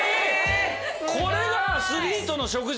これがアスリートの食事？